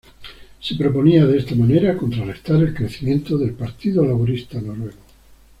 Se proponía de esta manera contrarrestar el crecimiento del Partido Laborista Noruego.